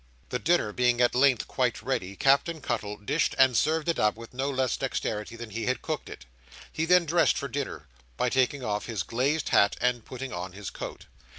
The dinner being at length quite ready, Captain Cuttle dished and served it up, with no less dexterity than he had cooked it. He then dressed for dinner, by taking off his glazed hat and putting on his coat.